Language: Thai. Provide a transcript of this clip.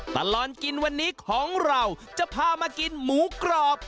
ตลอดกินวันนี้ของเราจะพามากินหมูกรอบ